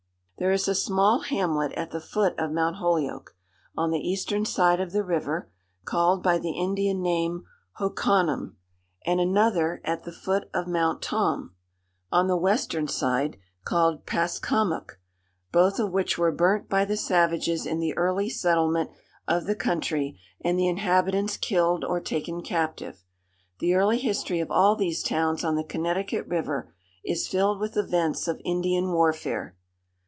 There is a small hamlet at the foot of Mount Holyoke, on the eastern side of the river, called by the Indian name Hoccanum, and another at the foot of Mount Tom, on the western side, called Pascommuc, both of which were burnt by the savages in the early settlement of the country, and the inhabitants killed or taken captive. The early history of all these towns on the Connecticut river is filled with events of Indian warfare.